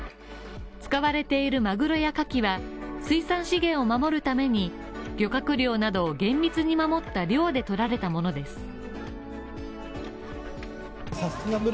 使われているマグロやカキは、水産資源を守るために、漁獲量などを厳密に守った漁でとられたものです。